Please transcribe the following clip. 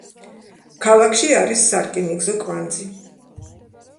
ქალაქში არის სარკინიგზო კვანძი.